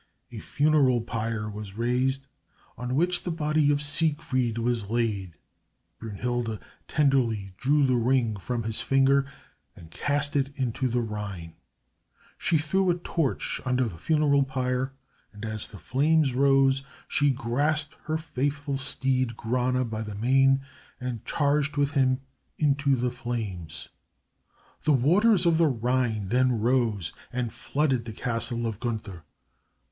A funeral pyre was raised, on which the body of Siegfried was laid. Brünnhilde tenderly drew the Ring from his finger, and cast it to the Rhine. She threw a torch under the funeral pyre and, as the flames rose, she grasped her faithful steed, Grane, by the mane, and charged with him into the flames. The waters of the Rhine then rose and flooded the castle of Gunther.